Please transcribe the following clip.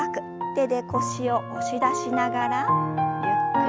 手で腰を押し出しながらゆっくりと後ろ。